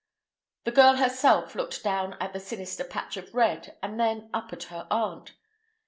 The girl herself looked down at the sinister patch of red and then up at her aunt.